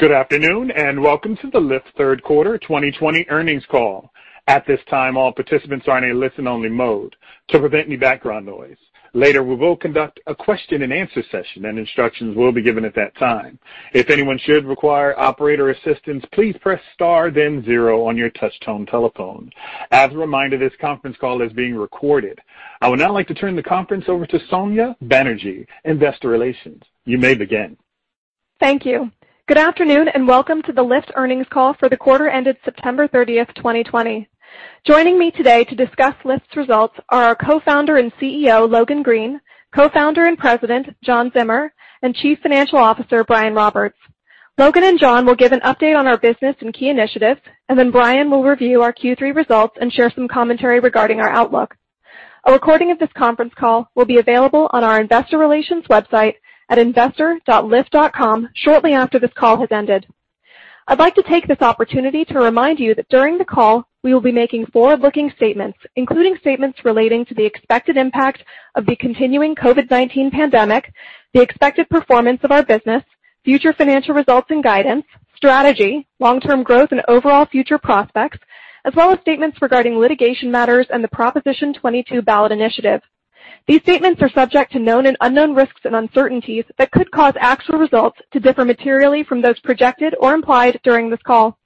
Good afternoon, and welcome to the Lyft Third Quarter 2020 Earnings Call. At this time, all participants are in a listen-only mode to prevent any background noise. Later, we will conduct a question and answer session and instructions will be given at that time. If anyone should require operator assistance, please press star then zero on your touchtone telephone. As a reminder, this conference call is being recorded. I would now like to turn the conference over to Sonya Banerjee, Investor Relations. You may begin. Thank you. Good afternoon, and welcome to the Lyft earnings call for the quarter ended September 30th, 2020. Joining me today to discuss Lyft's results are our Co-founder and CEO, Logan Green, Co-founder and President, John Zimmer, and Chief Financial Officer, Brian Roberts. Logan and John will give an update on our business and key initiatives, and then Brian will review our Q3 results and share some commentary regarding our outlook. A recording of this conference call will be available on our investor relations website at investor.lyft.com shortly after this call has ended. I'd like to take this opportunity to remind you that during the call, we will be making forward-looking statements, including statements relating to the expected impact of the continuing COVID-19 pandemic, the expected performance of our business, future financial results and guidance, strategy, long-term growth and overall future prospects, as well as statements regarding litigation matters and the Proposition 22 ballot initiative. These statements are subject to known and unknown risks and uncertainties that could cause actual results to differ materially from those projected or implied during this call,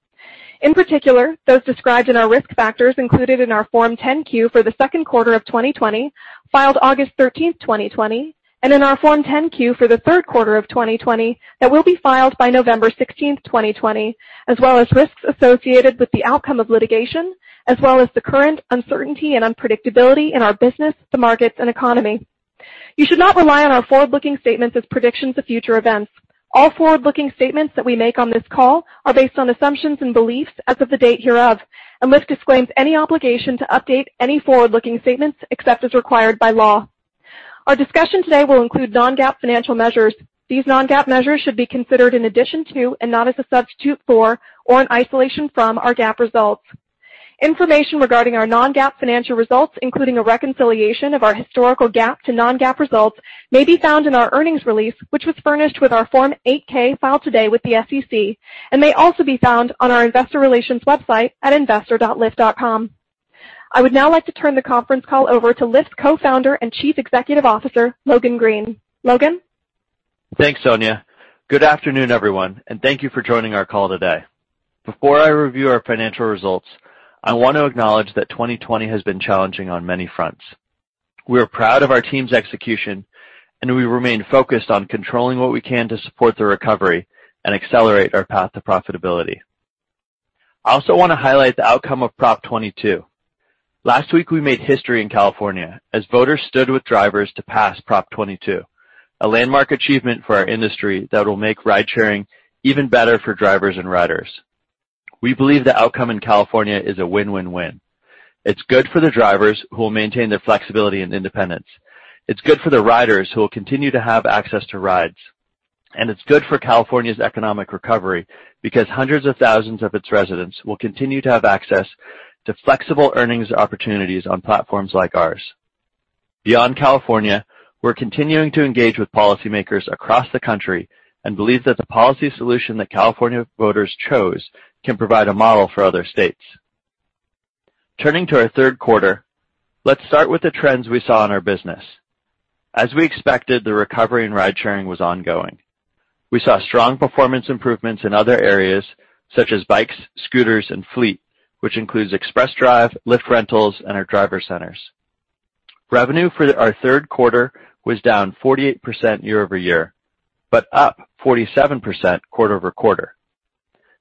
in particular, those described in our risk factors included in our Form 10-Q for the second quarter of 2020, filed August 13th, 2020, and in our Form 10-Q for the third quarter of 2020 that will be filed by November 16th, 2020, as well as risks associated with the outcome of litigation, as well as the current uncertainty and unpredictability in our business, the markets, and economy. You should not rely on our forward-looking statements as predictions of future events. All forward-looking statements that we make on this call are based on assumptions and beliefs as of the date hereof, and Lyft disclaims any obligation to update any forward-looking statements except as required by law. Our discussion today will include non-GAAP financial measures. These non-GAAP measures should be considered in addition to and not as a substitute for or an isolation from our GAAP results. Information regarding our non-GAAP financial results, including a reconciliation of our historical GAAP to non-GAAP results, may be found in our earnings release, which was furnished with our Form 8-K filed today with the SEC and may also be found on our investor relations website at investor.lyft.com. I would now like to turn the conference call over to Lyft Co-founder and Chief Executive Officer, Logan Green. Logan? Thanks, Sonya. Good afternoon, everyone, thank you for joining our call today. Before I review our financial results, I want to acknowledge that 2020 has been challenging on many fronts. We are proud of our team's execution, and we remain focused on controlling what we can to support the recovery and accelerate our path to profitability. I also want to highlight the outcome of Prop. 22. Last week, we made history in California as voters stood with drivers to pass Prop. 22, a landmark achievement for our industry that will make ridesharing even better for drivers and riders. We believe the outcome in California is a win-win-win. It's good for the drivers, who will maintain their flexibility and independence. It's good for the riders, who will continue to have access to rides, and it's good for California's economic recovery because hundreds of thousands of its residents will continue to have access to flexible earnings opportunities on platforms like ours. Beyond California, we're continuing to engage with policymakers across the country and believe that the policy solution that California voters chose can provide a model for other states. Turning to our third quarter, let's start with the trends we saw in our business. As we expected, the recovery in ridesharing was ongoing. We saw strong performance improvements in other areas such as bikes, scooters, and Fleet, which includes Express Drive, Lyft Rentals, and our driver centers. Revenue for our third quarter was down 48% year-over-year, but up 47% quarter-over-quarter.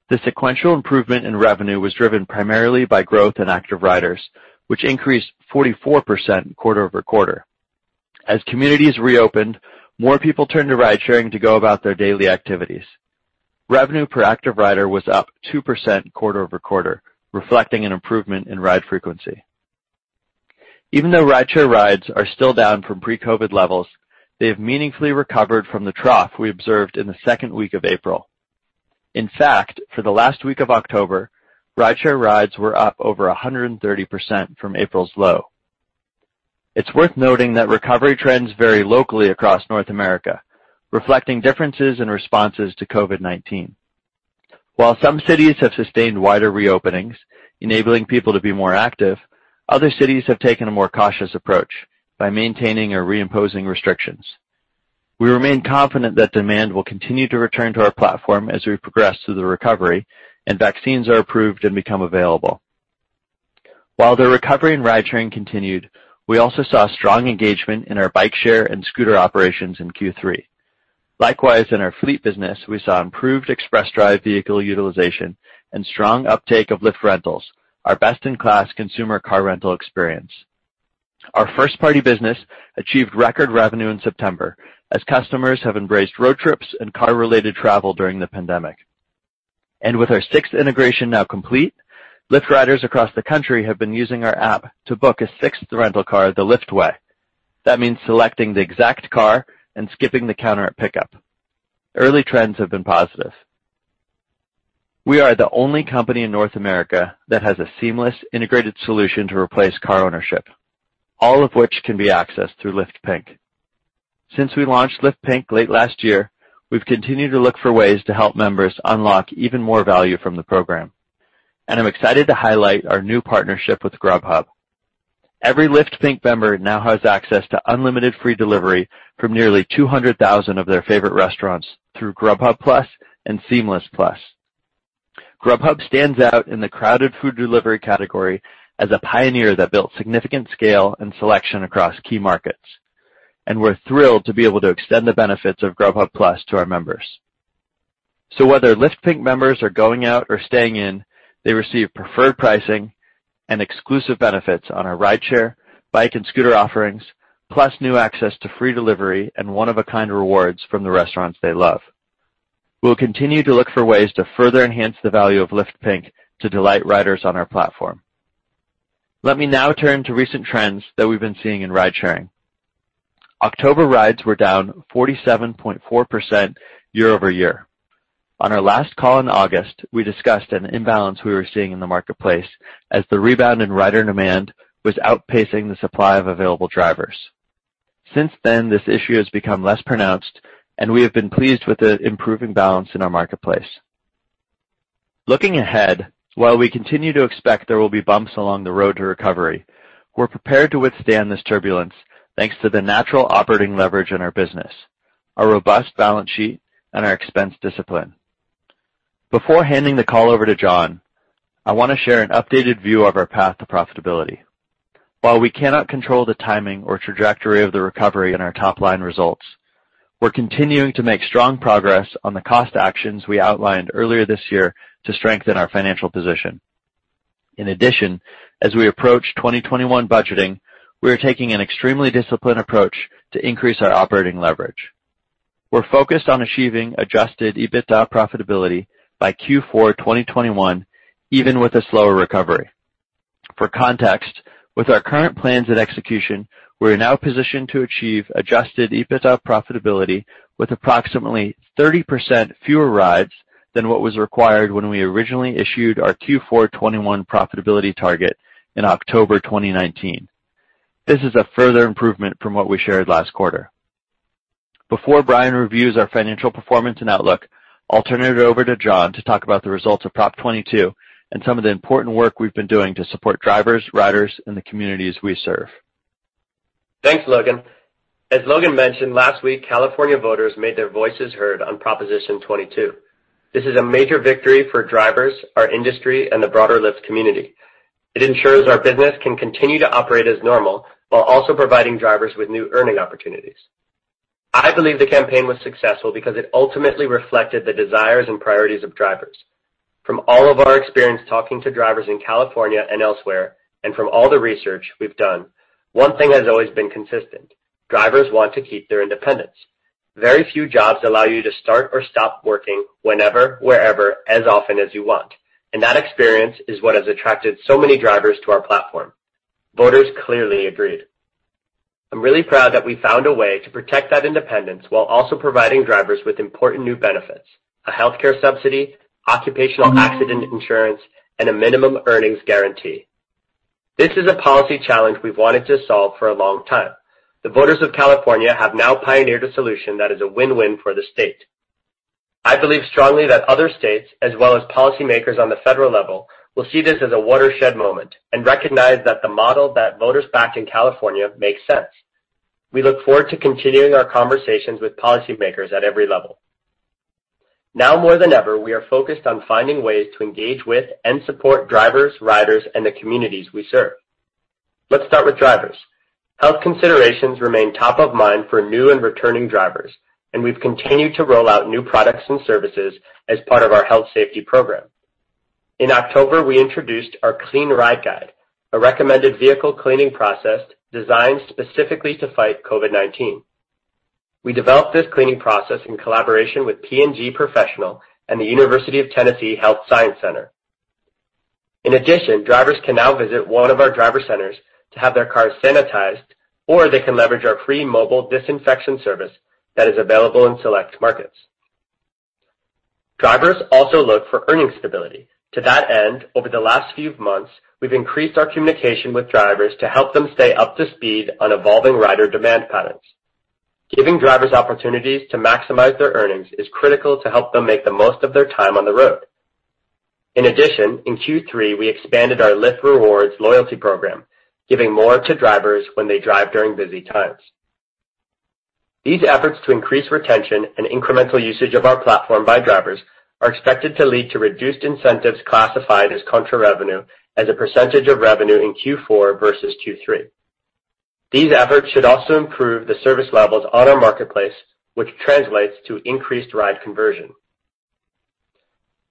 The sequential improvement in revenue was driven primarily by growth in active riders, which increased 44% quarter-over-quarter. As communities reopened, more people turned to ridesharing to go about their daily activities. Revenue per active rider was up 2% quarter-over-quarter, reflecting an improvement in ride frequency. Even though rideshare rides are still down from pre-COVID-19 levels, they have meaningfully recovered from the trough we observed in the second week of April. In fact, for the last week of October, rideshare rides were up over 130% from April's low. It's worth noting that recovery trends vary locally across North America, reflecting differences in responses to COVID-19. While some cities have sustained wider reopenings, enabling people to be more active, other cities have taken a more cautious approach by maintaining or reimposing restrictions. We remain confident that demand will continue to return to our platform as we progress through the recovery and vaccines are approved and become available. While the recovery in ridesharing continued, we also saw strong engagement in our bike-share and scooter operations in Q3. Likewise, in our Fleet business, we saw improved Express Drive vehicle utilization and strong uptake of Lyft Rentals, our best-in-class consumer car rental experience. Our first-party business achieved record revenue in September as customers have embraced road trips and car-related travel during the pandemic. With our Sixt integration now complete, Lyft riders across the country have been using our app to book a Sixt rental car the Lyft way. That means selecting the exact car and skipping the counter at pickup. Early trends have been positive. We are the only company in North America that has a seamless, integrated solution to replace car ownership, all of which can be accessed through Lyft Pink. Since we launched Lyft Pink late last year, we've continued to look for ways to help members unlock even more value from the program, and I'm excited to highlight our new partnership with Grubhub. Every Lyft Pink member now has access to unlimited free delivery from nearly 200,000 of their favorite restaurants through Grubhub+ and Seamless+. Grubhub stands out in the crowded food delivery category as a pioneer that built significant scale and selection across key markets, and we're thrilled to be able to extend the benefits of Grubhub+ to our members. Whether Lyft Pink members are going out or staying in, they receive preferred pricing and exclusive benefits on our rideshare, bike, and scooter offerings, plus new access to free delivery and one-of-a-kind rewards from the restaurants they love. We will continue to look for ways to further enhance the value of Lyft Pink to delight riders on our platform. Let me now turn to recent trends that we've been seeing in ride-sharing. October rides were down 47.4% year-over-year. On our last call in August, we discussed an imbalance we were seeing in the marketplace as the rebound in rider demand was outpacing the supply of available drivers. Since then, this issue has become less pronounced, and we have been pleased with the improving balance in our marketplace. Looking ahead, while we continue to expect there will be bumps along the road to recovery, we're prepared to withstand this turbulence thanks to the natural operating leverage in our business, our robust balance sheet, and our expense discipline. Before handing the call over to John, I want to share an updated view of our path to profitability. While we cannot control the timing or trajectory of the recovery in our top-line results, we're continuing to make strong progress on the cost actions we outlined earlier this year to strengthen our financial position. In addition, as we approach 2021 budgeting, we are taking an extremely disciplined approach to increase our operating leverage. We're focused on achieving adjusted EBITDA profitability by Q4 2021, even with a slower recovery. For context, with our current plans and execution, we are now positioned to achieve adjusted EBITDA profitability with approximately 30% fewer rides than what was required when we originally issued our Q4 2021 profitability target in October 2019. This is a further improvement from what we shared last quarter. Before Brian reviews our financial performance and outlook, I'll turn it over to John to talk about the results of Prop. 22 and some of the important work we've been doing to support drivers, riders, and the communities we serve. Thanks, Logan. As Logan mentioned, last week, California voters made their voices heard on Proposition 22. This is a major victory for drivers, our industry, and the broader Lyft community. It ensures our business can continue to operate as normal while also providing drivers with new earning opportunities. I believe the campaign was successful because it ultimately reflected the desires and priorities of drivers. From all of our experience talking to drivers in California and elsewhere, and from all the research we've done, one thing has always been consistent. Drivers want to keep their independence. Very few jobs allow you to start or stop working whenever, wherever, as often as you want, and that experience is what has attracted so many drivers to our platform. Voters clearly agreed. I'm really proud that we found a way to protect that independence while also providing drivers with important new benefits, a healthcare subsidy, occupational accident insurance, and a minimum earnings guarantee. This is a policy challenge we've wanted to solve for a long time. The voters of California have now pioneered a solution that is a win-win for the state. I believe strongly that other states, as well as policymakers on the federal level, will see this as a watershed moment and recognize that the model that voters backed in California makes sense. We look forward to continuing our conversations with policymakers at every level. Now more than ever, we are focused on finding ways to engage with and support drivers, riders, and the communities we serve. Let's start with drivers. Health considerations remain top of mind for new and returning drivers, and we've continued to roll out new products and services as part of our health safety program. In October, we introduced our Clean Ride Guide, a recommended vehicle cleaning process designed specifically to fight COVID-19. We developed this cleaning process in collaboration with P&G Professional and the University of Tennessee Health Science Center. In addition, drivers can now visit one of our driver centers to have their cars sanitized, or they can leverage our free mobile disinfection service that is available in select markets. Drivers also look for earning stability. To that end, over the last few months, we've increased our communication with drivers to help them stay up to speed on evolving rider demand patterns. Giving drivers opportunities to maximize their earnings is critical to help them make the most of their time on the road. In addition, in Q3, we expanded our Lyft Rewards loyalty program, giving more to drivers when they drive during busy times. These efforts to increase retention and incremental usage of our platform by drivers are expected to lead to reduced incentives classified as contra revenue as a percentage of revenue in Q4 versus Q3. These efforts should also improve the service levels on our marketplace, which translates to increased ride conversion.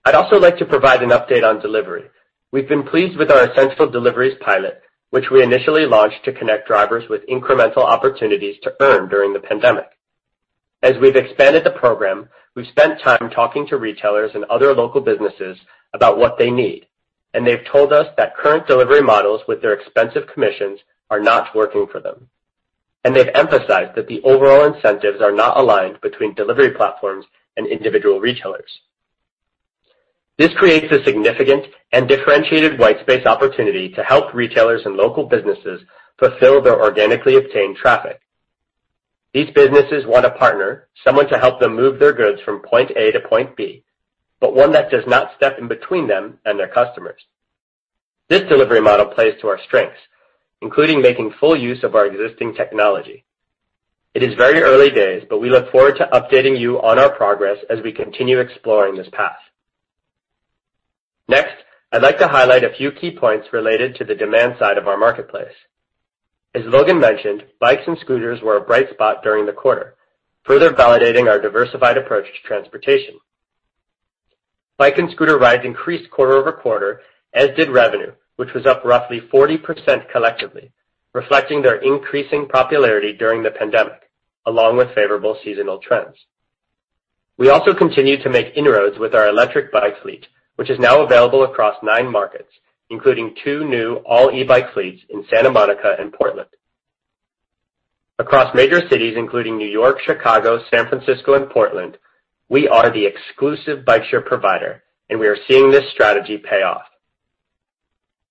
I'd also like to provide an update on delivery. We've been pleased with our essential deliveries pilot, which we initially launched to connect drivers with incremental opportunities to earn during the pandemic. As we've expanded the program, we've spent time talking to retailers and other local businesses about what they need. They've told us that current delivery models with their expensive commissions are not working for them. They've emphasized that the overall incentives are not aligned between delivery platforms and individual retailers. This creates a significant and differentiated white space opportunity to help retailers and local businesses fulfill their organically obtained traffic. These businesses want a partner, someone to help them move their goods from point A to point B, but one that does not step in between them and their customers. This delivery model plays to our strengths, including making full use of our existing technology. It is very early days, but we look forward to updating you on our progress as we continue exploring this path. Next, I'd like to highlight a few key points related to the demand side of our marketplace. As Logan mentioned, bikes and scooters were a bright spot during the quarter, further validating our diversified approach to transportation. Bike and scooter rides increased quarter-over-quarter, as did revenue, which was up roughly 40% collectively, reflecting their increasing popularity during the pandemic, along with favorable seasonal trends. We also continue to make inroads with our electric bike fleet, which is now available across nine markets, including two new all e-bike fleets in Santa Monica and Portland. Across major cities including New York, Chicago, San Francisco, and Portland, we are the exclusive bike share provider, and we are seeing this strategy pay off.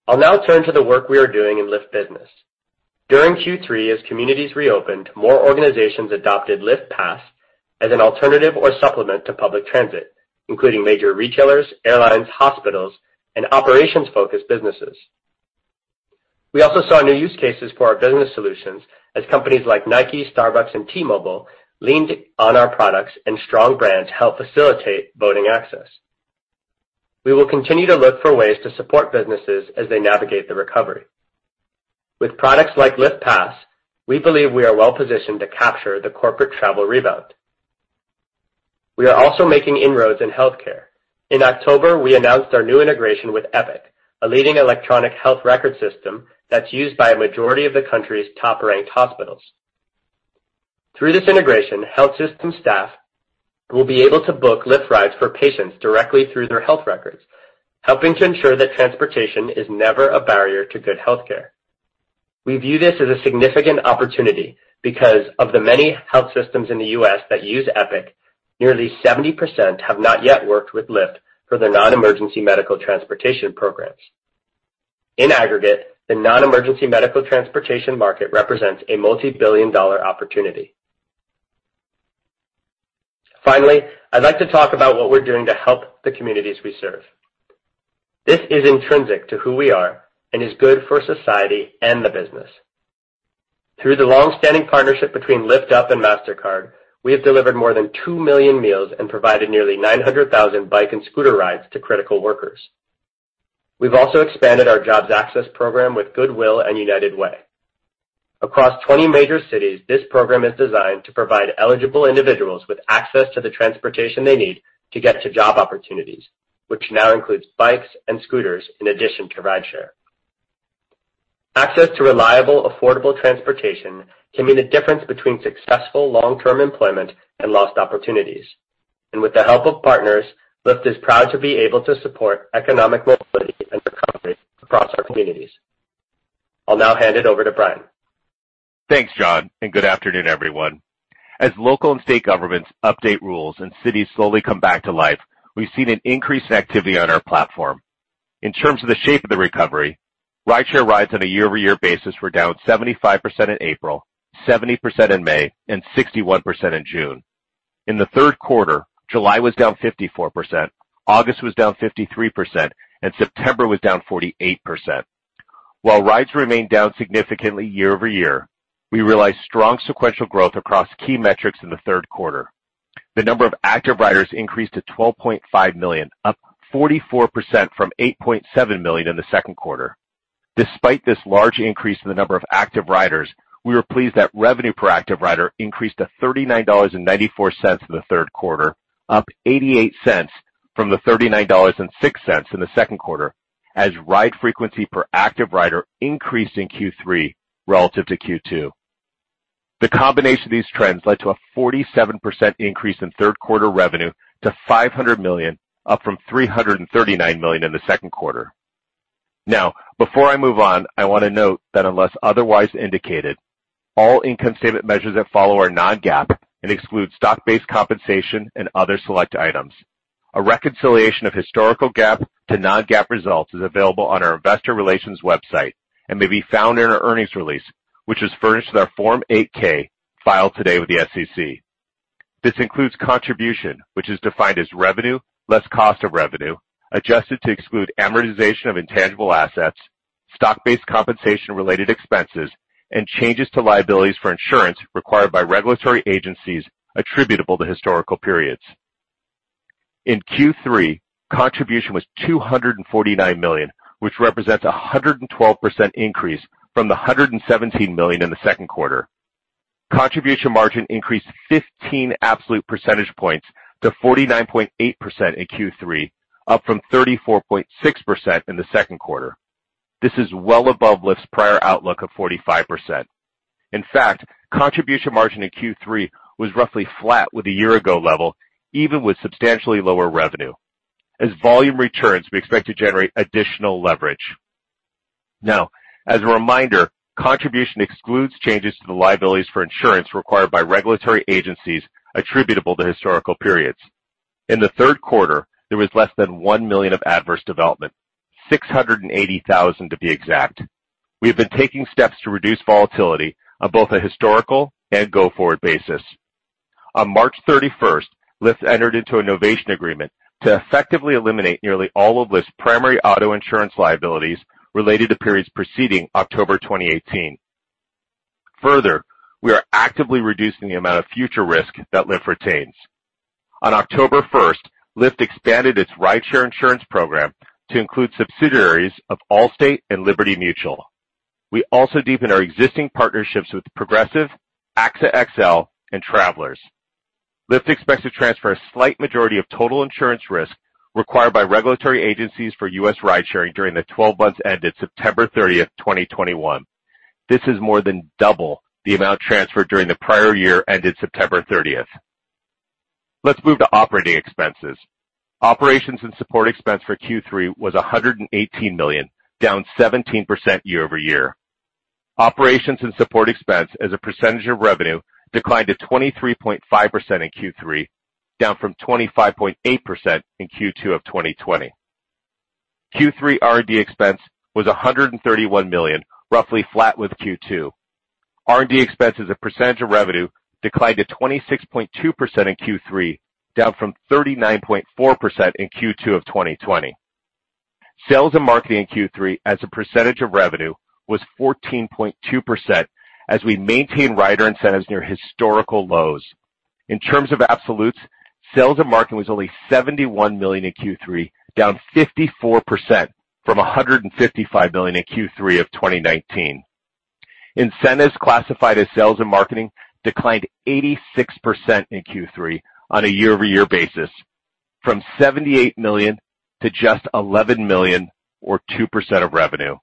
I'll now turn to the work we are doing in Lyft Business. During Q3, as communities reopened, more organizations adopted Lyft Pass as an alternative or supplement to public transit, including major retailers, airlines, hospitals, and operations-focused businesses. We also saw new use cases for our business solutions as companies like Nike, Starbucks, and T-Mobile leaned on our products and strong brands to help facilitate voting access. We will continue to look for ways to support businesses as they navigate the recovery. With products like Lyft Pass, we believe we are well-positioned to capture the corporate travel rebound. We are also making inroads in healthcare. In October, we announced our new integration with Epic, a leading electronic health record system that's used by a majority of the country's top-ranked hospitals. Through this integration, health system staff will be able to book Lyft rides for patients directly through their health records, helping to ensure that transportation is never a barrier to good healthcare. We view this as a significant opportunity because of the many health systems in the U.S. that use Epic, nearly 70% have not yet worked with Lyft for their non-emergency medical transportation programs. In aggregate, the non-emergency medical transportation market represents a multibillion-dollar opportunity. Finally, I'd like to talk about what we're doing to help the communities we serve. This is intrinsic to who we are and is good for society and the business. Through the long-standing partnership between Lyft Up and Mastercard, we have delivered more than two million meals and provided nearly 900,000 bike and scooter rides to critical workers. We've also expanded our jobs access program with Goodwill and United Way. Across 20 major cities, this program is designed to provide eligible individuals with access to the transportation they need to get to job opportunities, which now includes bikes and scooters in addition to rideshare. Access to reliable, affordable transportation can mean the difference between successful long-term employment and lost opportunities. With the help of partners, Lyft is proud to be able to support economic mobility and recovery across our communities. I'll now hand it over to Brian. Thanks, John. Good afternoon, everyone. As local and state governments update rules and cities slowly come back to life, we've seen an increase in activity on our platform. In terms of the shape of the recovery, rideshare rides on a year-over-year basis were down 75% in April, 70% in May, and 61% in June. In the third quarter, July was down 54%, August was down 53%, and September was down 48%. While rides remain down significantly year-over-year, we realized strong sequential growth across key metrics in the third quarter. The number of active riders increased to 12.5 million, up 44% from 8.7 million in the second quarter. Despite this large increase in the number of active riders, we were pleased that revenue per active rider increased to $39.94 in the third quarter, up $0.88 from the $39.06 in the second quarter, as ride frequency per active rider increased in Q3 relative to Q2. The combination of these trends led to a 47% increase in third quarter revenue to $500 million, up from $339 million in the second quarter. Now, before I move on, I want to note that unless otherwise indicated, all income statement measures that follow are non-GAAP and exclude stock-based compensation and other select items. A reconciliation of historical GAAP to non-GAAP results is available on our investor relations website and may be found in our earnings release, which was furnished with our Form 8-K filed today with the SEC. This includes contribution, which is defined as revenue less cost of revenue, adjusted to exclude amortization of intangible assets, stock-based compensation related expenses, and changes to liabilities for insurance required by regulatory agencies attributable to historical periods. In Q3, contribution was $249 million, which represents 112% increase from the $117 million in the second quarter. Contribution margin increased 15 absolute percentage points to 49.8% in Q3, up from 34.6% in the second quarter. This is well above Lyft's prior outlook of 45%. In fact, contribution margin in Q3 was roughly flat with the year-ago level, even with substantially lower revenue. As volume returns, we expect to generate additional leverage. Now, as a reminder, contribution excludes changes to the liabilities for insurance required by regulatory agencies attributable to historical periods. In the third quarter, there was less than $1 million of adverse development, $680,000 to be exact. We have been taking steps to reduce volatility on both a historical and go-forward basis. On March 31st, Lyft entered into a novation agreement to effectively eliminate nearly all of Lyft's primary auto insurance liabilities related to periods preceding October 2018. We are actively reducing the amount of future risk that Lyft retains. On October 1st, Lyft expanded its rideshare insurance program to include subsidiaries of Allstate and Liberty Mutual. We also deepened our existing partnerships with Progressive, AXA XL, and Travelers. Lyft expects to transfer a slight majority of total insurance risk required by regulatory agencies for U.S. ridesharing during the 12 months ended September 30th, 2021. This is more than double the amount transferred during the prior year ended September 30th. Let's move to operating expenses. Operations and support expense for Q3 was $118 million, down 17% year-over-year. Operations and support expense as a percentage of revenue declined to 23.5% in Q3, down from 25.8% in Q2 of 2020. Q3 R&D expense was $131 million, roughly flat with Q2. R&D expense as a percentage of revenue declined to 26.2% in Q3, down from 39.4% in Q2 of 2020. Sales and marketing in Q3 as a percentage of revenue was 14.2% as we maintained rider incentives near historical lows. In terms of absolutes, sales and marketing was only $71 million in Q3, down 54% from $155 million in Q3 of 2019. Incentives classified as sales and marketing declined 86% in Q3 on a year-over-year basis from $78 million to just $11 million or 2% of revenue.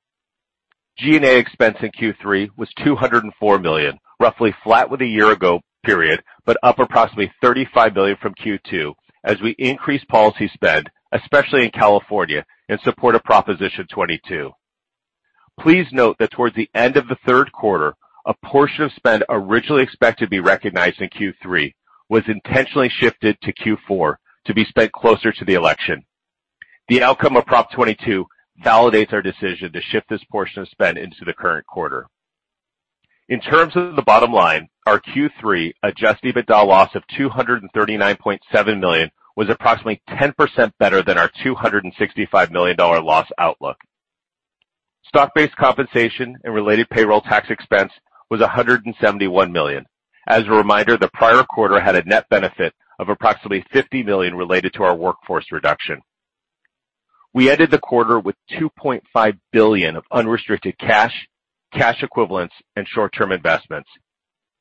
G&A expense in Q3 was $204 million, roughly flat with a year-ago period, but up approximately $35 million from Q2 as we increased policy spend, especially in California, in support of Proposition 22. Please note that towards the end of the third quarter, a portion of spend originally expected to be recognized in Q3 was intentionally shifted to Q4 to be spent closer to the election. The outcome of Prop. 22 validates our decision to shift this portion of spend into the current quarter. In terms of the bottom line, our Q3 adjusted EBITDA loss of $239.7 million was approximately 10% better than our $265 million loss outlook. Stock-based compensation and related payroll tax expense was $171 million. As a reminder, the prior quarter had a net benefit of approximately $50 million related to our workforce reduction. We ended the quarter with $2.5 billion of unrestricted cash equivalents, and short-term investments.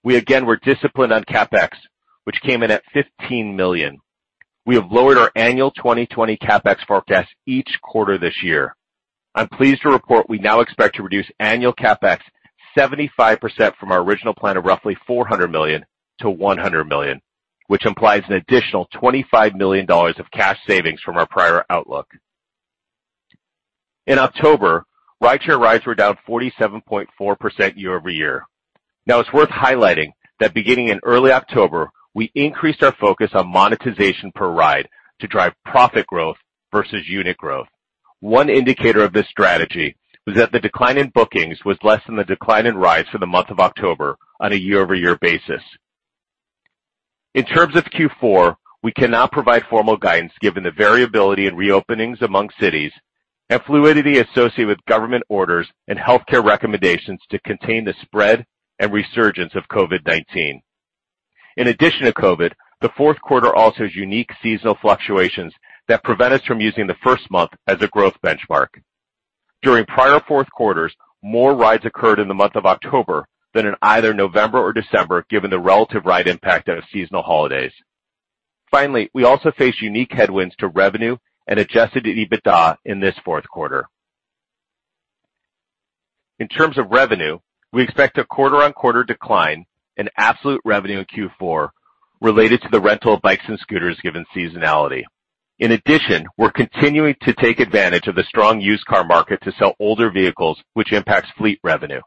We again were disciplined on CapEx, which came in at $15 million. We have lowered our annual 2020 CapEx forecast each quarter this year. I'm pleased to report we now expect to reduce annual CapEx 75% from our original plan of roughly $400 million-$100 million, which implies an additional $25 million of cash savings from our prior outlook. In October, rideshare rides were down 47.4% year-over-year. Now, it's worth highlighting that beginning in early October, we increased our focus on monetization per ride to drive profit growth versus unit growth. One indicator of this strategy was that the decline in bookings was less than the decline in rides for the month of October on a year-over-year basis. In terms of Q4, we cannot provide formal guidance given the variability in reopenings among cities and fluidity associated with government orders and healthcare recommendations to contain the spread and resurgence of COVID-19. In addition to COVID, the fourth quarter also has unique seasonal fluctuations that prevent us from using the first month as a growth benchmark. During prior fourth quarters, more rides occurred in the month of October than in either November or December given the relative ride impact of seasonal holidays. Finally, we also face unique headwinds to revenue and adjusted EBITDA in this fourth quarter. In terms of revenue, we expect a quarter-on-quarter decline in absolute revenue in Q4 related to the rental of bikes and scooters given seasonality. In addition, we're continuing to take advantage of the strong used car market to sell older vehicles, which impacts fleet revenue.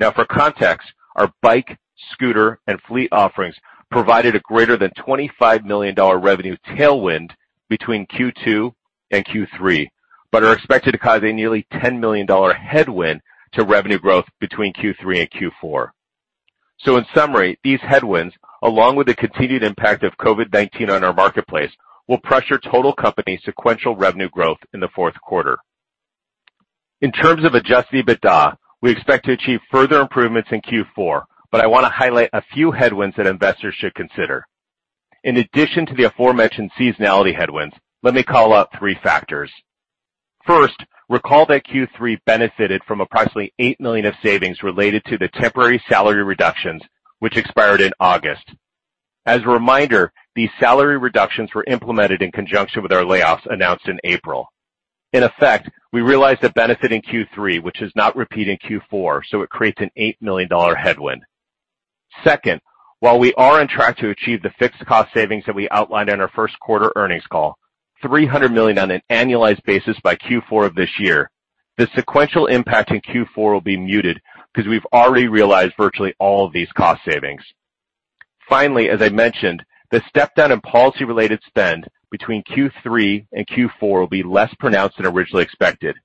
For context, our bike, scooter, and fleet offerings provided a greater than $25 million revenue tailwind between Q2 and Q3, but are expected to cause a nearly $10 million headwind to revenue growth between Q3 and Q4. In summary, these headwinds, along with the continued impact of COVID-19 on our marketplace, will pressure total company sequential revenue growth in the fourth quarter. In terms of adjusted EBITDA, we expect to achieve further improvements in Q4, I want to highlight a few headwinds that investors should consider. In addition to the aforementioned seasonality headwinds, let me call out three factors. First, recall that Q3 benefited from approximately $8 million of savings related to the temporary salary reductions, which expired in August. As a reminder, these salary reductions were implemented in conjunction with our layoffs announced in April. In effect, we realized the benefit in Q3, which is not repeating Q4, so it creates an $8 million headwind. Second, while we are on track to achieve the fixed cost savings that we outlined in our first quarter earnings call, $300 million on an annualized basis by Q4 of this year, the sequential impact in Q4 will be muted because we've already realized virtually all of these cost savings. Finally, as I mentioned, the step-down in policy-related spend between Q3 and Q4 will be less pronounced than originally expected.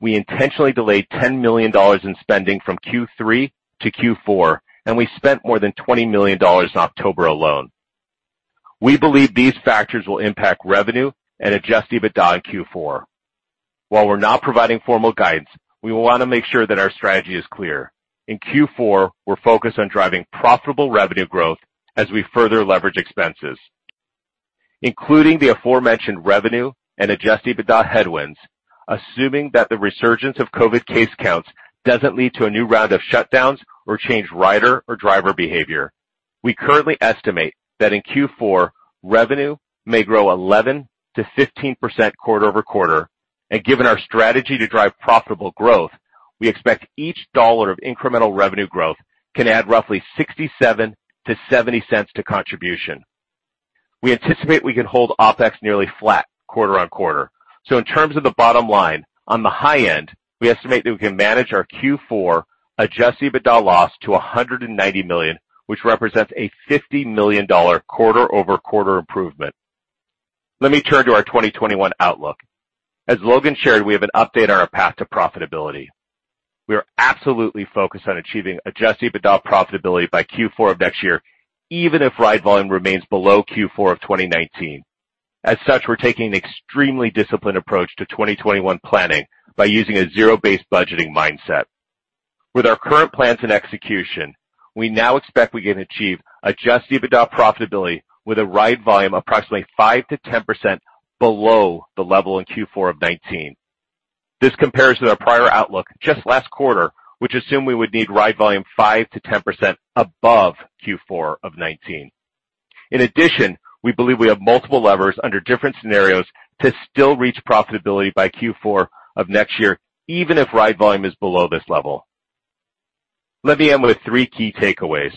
We intentionally delayed $10 million in spending from Q3 to Q4, and we spent more than $20 million in October alone. We believe these factors will impact revenue and adjusted EBITDA in Q4. While we're not providing formal guidance, we want to make sure that our strategy is clear. In Q4, we're focused on driving profitable revenue growth as we further leverage expenses. Including the aforementioned revenue and adjusted EBITDA headwinds, assuming that the resurgence of COVID-19 case counts doesn't lead to a new round of shutdowns or change rider or driver behavior, we currently estimate that in Q4, revenue may grow 11%-15% quarter-over-quarter. Given our strategy to drive profitable growth, we expect each dollar of incremental revenue growth can add roughly $0.67-$0.70 to contribution. We anticipate we can hold OpEx nearly flat quarter-on-quarter. In terms of the bottom line, on the high end, we estimate that we can manage our Q4 adjusted EBITDA loss to $190 million, which represents a $50 million quarter-over-quarter improvement. Let me turn to our 2021 outlook. As Logan shared, we have an update on our path to profitability. We are absolutely focused on achieving adjusted EBITDA profitability by Q4 of next year, even if ride volume remains below Q4 of 2019. We're taking an extremely disciplined approach to 2021 planning by using a zero-based budgeting mindset. With our current plans and execution, we now expect we can achieve adjusted EBITDA profitability with a ride volume approximately 5%-10% below the level in Q4 of 2019. This compares to our prior outlook just last quarter, which assumed we would need ride volume 5%-10% above Q4 of 2019. In addition, we believe we have multiple levers under different scenarios to still reach profitability by Q4 of next year, even if ride volume is below this level. Let me end with three key takeaways.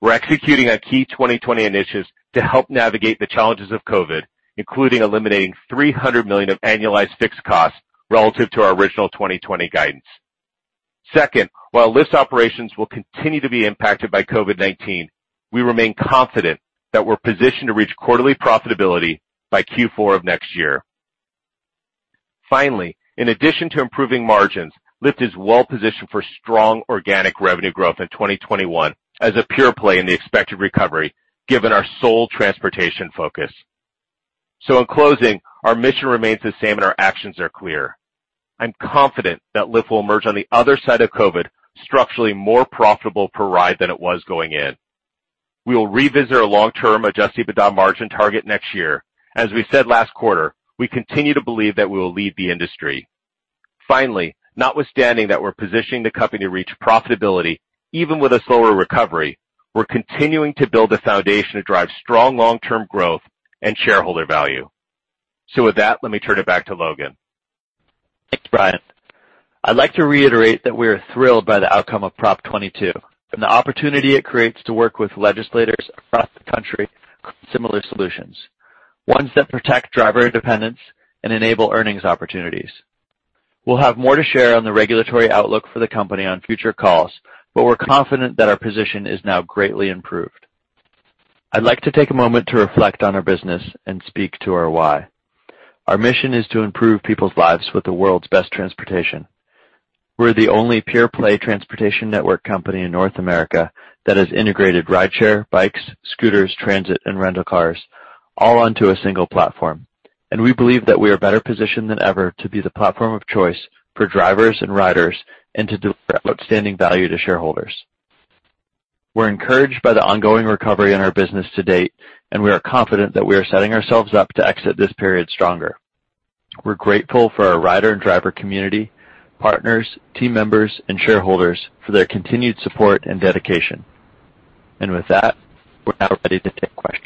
We're executing on key 2020 initiatives to help navigate the challenges of COVID, including eliminating $300 million of annualized fixed costs relative to our original 2020 guidance. Second, while Lyft's operations will continue to be impacted by COVID-19, we remain confident that we're positioned to reach quarterly profitability by Q4 of next year. Finally, in addition to improving margins, Lyft is well-positioned for strong organic revenue growth in 2021 as a pure play in the expected recovery given our sole transportation focus. In closing, our mission remains the same and our actions are clear. I'm confident that Lyft will emerge on the other side of COVID structurally more profitable per ride than it was going in. We will revisit our long-term adjusted EBITDA margin target next year. As we said last quarter, we continue to believe that we will lead the industry. Finally, notwithstanding that we're positioning the company to reach profitability, even with a slower recovery, we're continuing to build a foundation to drive strong long-term growth and shareholder value. With that, let me turn it back to Logan. Thanks, Brian. I'd like to reiterate that we are thrilled by the outcome of Prop. 22 and the opportunity it creates to work with legislators across the country on similar solutions, ones that protect driver independence and enable earnings opportunities. We'll have more to share on the regulatory outlook for the company on future calls, but we're confident that our position is now greatly improved. I'd like to take a moment to reflect on our business and speak to our why. Our mission is to improve people's lives with the world's best transportation. We're the only pure-play transportation network company in North America that has integrated rideshare, bikes, scooters, transit, and rental cars all onto a single platform. We believe that we are better positioned than ever to be the platform of choice for drivers and riders and to deliver outstanding value to shareholders. We're encouraged by the ongoing recovery in our business to date, and we are confident that we are setting ourselves up to exit this period stronger. We're grateful for our rider and driver community, partners, team members, and shareholders for their continued support and dedication. With that, we're now ready to take questions.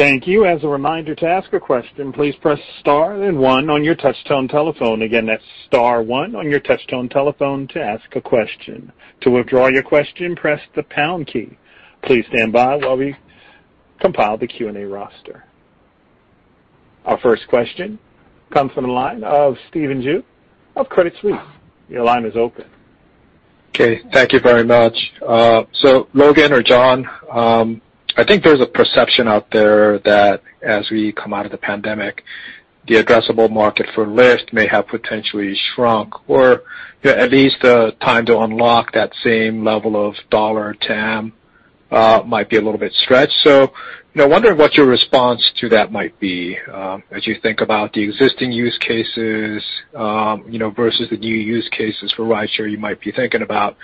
Thank you. As a reminder, to ask a question, please press star and one on your touch-tone telephone. Again, that's star one on your touch-tone telephone to ask a question. To withdraw your question, press the pound key. Please stand by while we compile the Q&A roster. Our first question comes from the line of Stephen Ju of Credit Suisse. Your line is open. Okay, thank you very much. Logan or John, I think there's a perception out there that as we come out of the pandemic, the addressable market for Lyft may have potentially shrunk, or at least the time to unlock that same level of dollar TAM might be a little bit stretched. I wonder what your response to that might be as you think about the existing use cases versus the new use cases for rideshare you might be thinking about,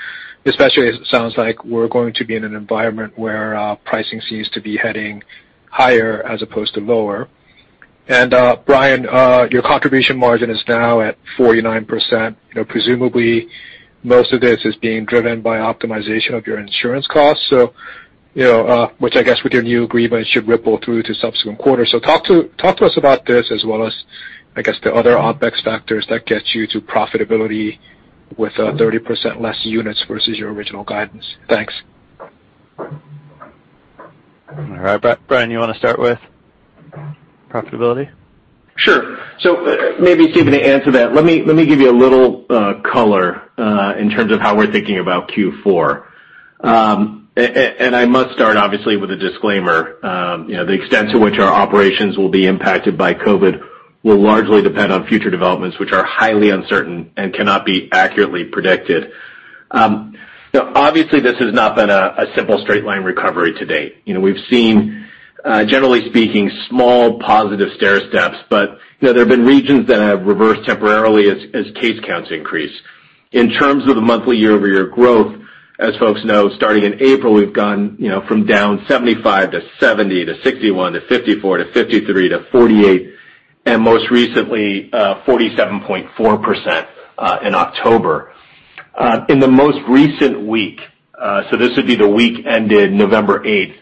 especially as it sounds like we're going to be in an environment where pricing seems to be heading higher as opposed to lower. Brian, your contribution margin is now at 49%. Presumably, most of this is being driven by optimization of your insurance costs, which I guess with your new agreement should ripple through to subsequent quarters. Talk to us about this as well as, I guess, the other OpEx factors that get you to profitability with 30% less units versus your original guidance. Thanks. All right, Brian, you want to start with profitability? Sure. Maybe, Stephen, to answer that, let me give you a little color in terms of how we're thinking about Q4. I must start, obviously, with a disclaimer. The extent to which our operations will be impacted by COVID will largely depend on future developments, which are highly uncertain and cannot be accurately predicted. Obviously, this has not been a simple straight-line recovery to date. We've seen, generally speaking, small positive stairsteps, but there have been regions that have reversed temporarily as case counts increase. In terms of the monthly year-over-year growth, as folks know, starting in April, we've gone from down 75%-70% to 61%-54% to 53%-48%, and most recently, 47.4% in October. In the most recent week, so this would be the week ended November 8th,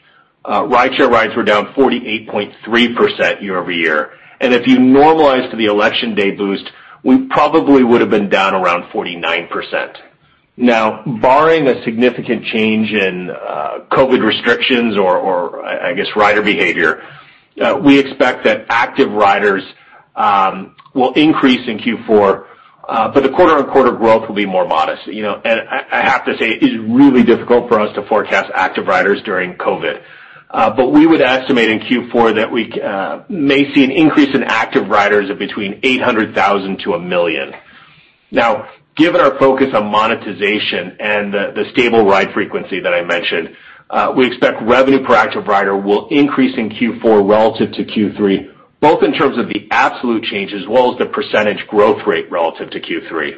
rideshare rides were down 48.3% year-over-year. If you normalize to the Election Day boost, we probably would've been down around 49%. Barring a significant change in COVID-19 restrictions or I guess, rider behavior, we expect that active riders will increase in Q4, but the quarter-on-quarter growth will be more modest. I have to say, it is really difficult for us to forecast active riders during COVID-19. We would estimate in Q4 that we may see an increase in active riders of between 800,000-1 million. Given our focus on monetization and the stable ride frequency that I mentioned, we expect revenue per active rider will increase in Q4 relative to Q3, both in terms of the absolute change as well as the percentage growth rate relative to Q3.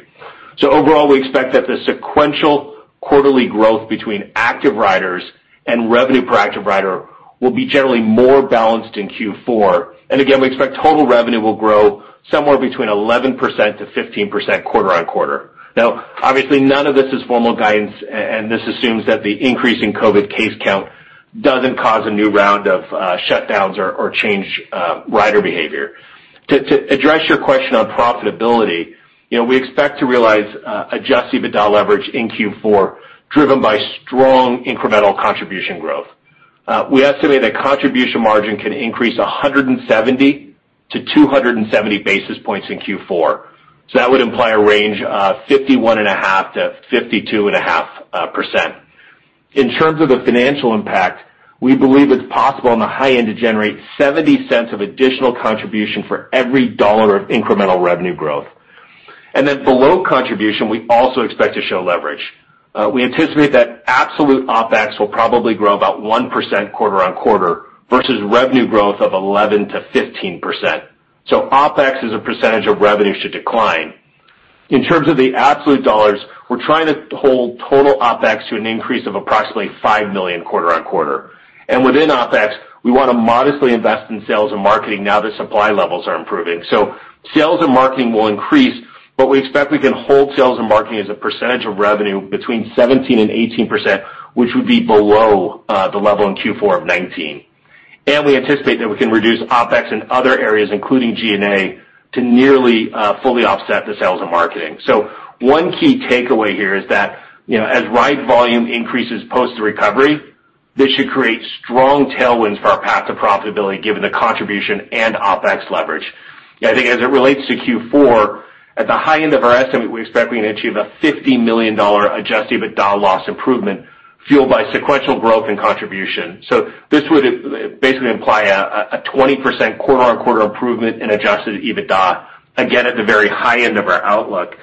Overall, we expect that the sequential quarterly growth between active riders and revenue per active rider will be generally more balanced in Q4. Again, we expect total revenue will grow somewhere between 11%-15% quarter-on-quarter. Obviously, none of this is formal guidance, and this assumes that the increase in COVID case count doesn't cause a new round of shutdowns or change rider behavior. To address your question on profitability, we expect to realize adjusted EBITDA leverage in Q4, driven by strong incremental contribution growth. We estimate that contribution margin can increase 170-270 basis points in Q4. That would imply a range of 51.5%-52.5%. In terms of the financial impact, we believe it's possible on the high end to generate $0.70 of additional contribution for every $1 of incremental revenue growth. Then below contribution, we also expect to show leverage. We anticipate that absolute OpEx will probably grow about 1% quarter-on-quarter versus revenue growth of 11%-15%. OpEx as a percentage of revenue should decline. In terms of the absolute dollars, we're trying to hold total OpEx to an increase of approximately $5 million quarter-on-quarter. Within OpEx, we want to modestly invest in sales and marketing now that supply levels are improving. Sales and marketing will increase, but we expect we can hold sales and marketing as a percentage of revenue between 17%-18%, which would be below the level in Q4 of 2019. We anticipate that we can reduce OpEx in other areas, including G&A, to nearly fully offset the sales and marketing. One key takeaway here is that as ride volume increases post-recovery, this should create strong tailwinds for our path to profitability given the contribution and OpEx leverage. I think as it relates to Q4, at the high end of our estimate, we expect we can achieve a $50 million adjusted EBITDA loss improvement fueled by sequential growth and contribution. This would basically imply a 20% quarter-on-quarter improvement in adjusted EBITDA, again, at the very high end of our outlook.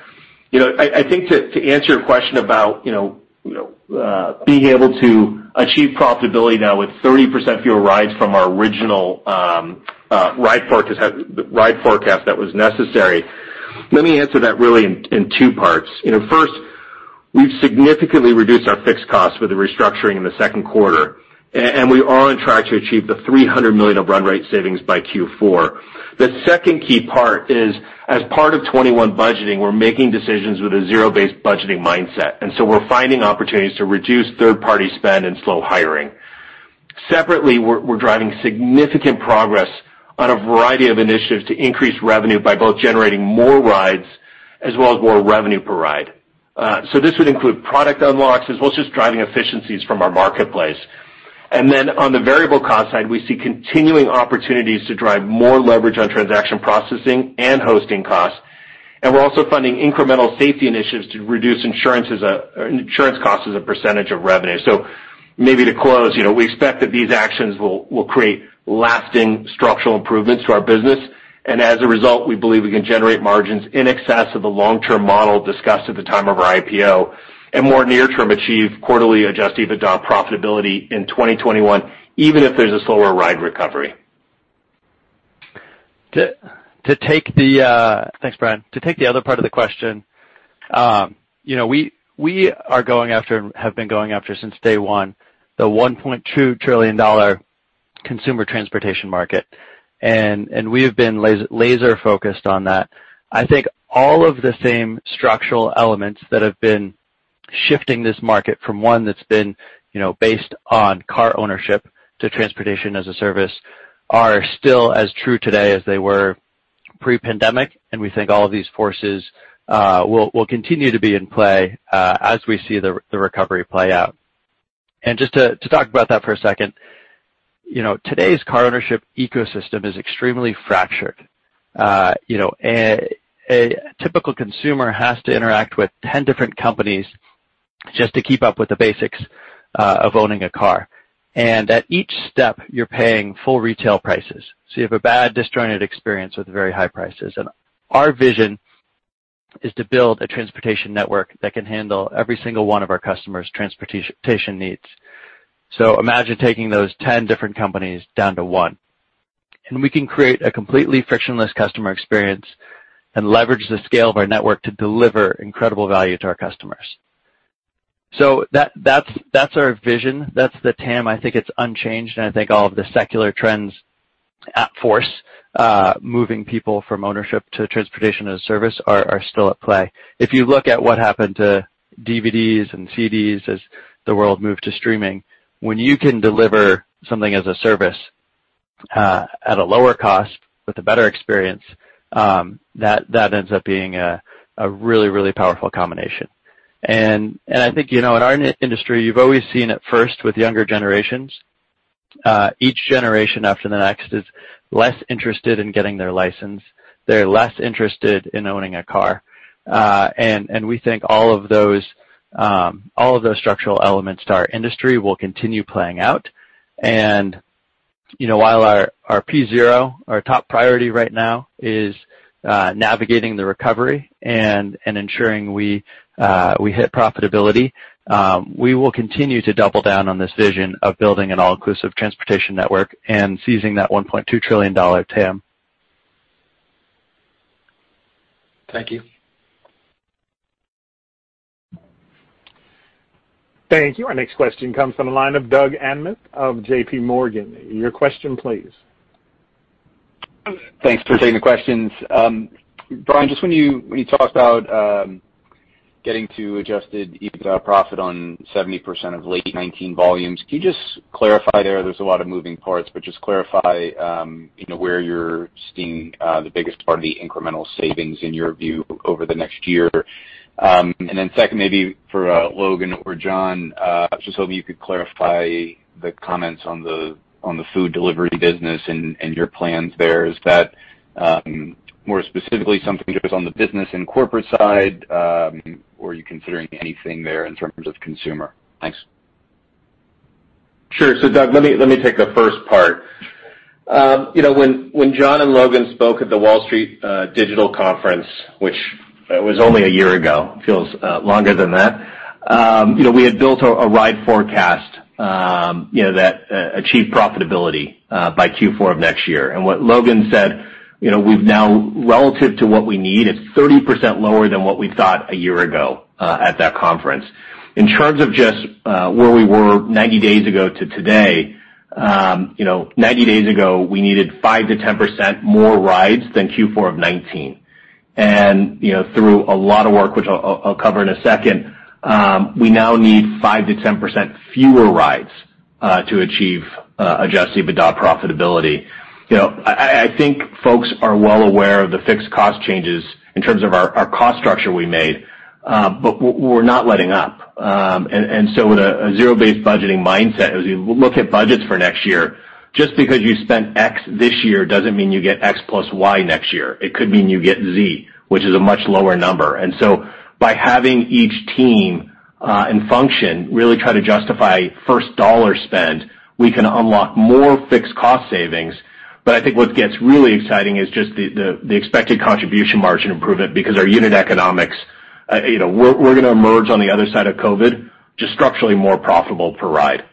I think to answer your question about being able to achieve profitability now with 30% fewer rides from our original ride forecast that was necessary, let me answer that really in two parts. First, we've significantly reduced our fixed costs with the restructuring in the second quarter, and we are on track to achieve the $300 million of run rate savings by Q4. The second key part is as part of 2021 budgeting, we're making decisions with a zero-based budgeting mindset. We're finding opportunities to reduce third-party spend and slow hiring. Separately, we're driving significant progress on a variety of initiatives to increase revenue by both generating more rides as well as more revenue per ride. This would include product unlocks as well as just driving efficiencies from our marketplace. On the variable cost side, we see continuing opportunities to drive more leverage on transaction processing and hosting costs, and we're also funding incremental safety initiatives to reduce insurance costs as a percentage of revenue. Maybe to close, we expect that these actions will create lasting structural improvements to our business, and as a result, we believe we can generate margins in excess of the long-term model discussed at the time of our IPO, and more near-term achieve quarterly adjusted EBITDA profitability in 2021, even if there's a slower ride recovery. Thanks, Brian. To take the other part of the question, we have been going after since day one the $1.2 trillion consumer transportation market. We have been laser-focused on that. I think all of the same structural elements that have been shifting this market from one that's been based on car ownership to transportation as a service are still as true today as they were pre-pandemic, and we think all of these forces will continue to be in play as we see the recovery play out. Just to talk about that for a second. Today's car ownership ecosystem is extremely fractured. A typical consumer has to interact with 10 different companies just to keep up with the basics of owning a car. At each step, you're paying full retail prices. You have a bad, disjointed experience with very high prices. Our vision is to build a transportation network that can handle every single one of our customers' transportation needs. Imagine taking those 10 different companies down to one. We can create a completely frictionless customer experience and leverage the scale of our network to deliver incredible value to our customers. That's our vision. That's the TAM. I think it's unchanged, and I think all of the secular trends at force, moving people from ownership to transportation as a service are still at play. If you look at what happened to DVDs and CDs as the world moved to streaming, when you can deliver something as a service at a lower cost with a better experience, that ends up being a really powerful combination. I think, in our industry, you've always seen it first with younger generations. Each generation after the next is less interested in getting their license. They're less interested in owning a car. We think all of those structural elements to our industry will continue playing out. While our P0, our top priority right now is navigating the recovery and ensuring we hit profitability, we will continue to double down on this vision of building an all-inclusive transportation network and seizing that $1.2 trillion TAM. Thank you. Thank you. Our next question comes from the line of Doug Anmuth of JPMorgan. Your question, please. Thanks for taking the questions. Brian, just when you talked about getting to adjusted EBITDA profit on 70% of late 2019 volumes, can you just clarify there? There's a lot of moving parts, but just clarify where you're seeing the biggest part of the incremental savings in your view over the next year. Second, maybe for Logan or John, I was just hoping you could clarify the comments on the food delivery business and your plans there. Is that more specifically something just on the business and corporate side? Are you considering anything there in terms of consumer? Thanks. Sure. Doug, let me take the first part. When John and Logan spoke at the Wall Street digital conference, which was only a year ago, feels longer than that, we had built a ride forecast that achieved profitability by Q4 of next year. What Logan said, we've now, relative to what we need, it's 30% lower than what we thought a year ago at that conference. In terms of just where we were 90 days ago to today, 90 days ago, we needed 5%-10% more rides than Q4 of 2019. Through a lot of work, which I'll cover in a second, we now need 5%-10% fewer rides to achieve adjusted EBITDA profitability. I think folks are well aware of the fixed cost changes in terms of our cost structure we made. We're not letting up. With a zero-based budgeting mindset, as we look at budgets for next year, just because you spent X this year doesn't mean you get X plus Y next year. It could mean you get Z, which is a much lower number. By having each team and function really try to justify first dollar spend, we can unlock more fixed cost savings. But I think what gets really exciting is just the expected contribution margin improvement because our unit economics, we're going to emerge on the other side of COVID-19 just structurally more profitable per ride.